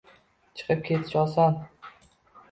Chiqib ketish oson